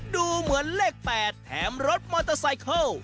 ดูเหมือนเลข๘แถมรถมอเตอร์ไซเคิล